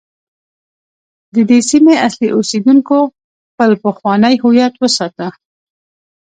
د دې سیمې اصلي اوسیدونکو خپل پخوانی هویت وساته.